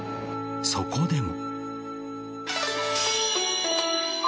そこでも。